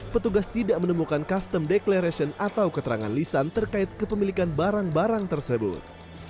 petugas tidak menemukan custom declaration atau keterangan lisan terkait kepemilikan barang barang tersebut